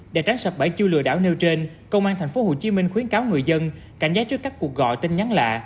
để tránh sập bẫy chiêu lừa đảo nêu trên công an tp hcm khuyến cáo người dân cảnh giác trước các cuộc gọi tin nhắn lạ